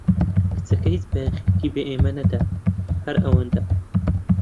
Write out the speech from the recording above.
کچەکە هیچ بایەخی بە ئێمە نەدا، هەر ئەوەندە.